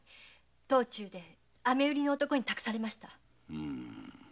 道中で飴売りの男に託されました。